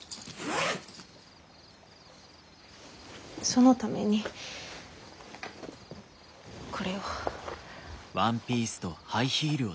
そのためにこれを。